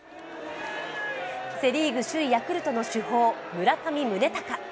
セ・リーグ首位のヤクルトの主砲・村上宗隆。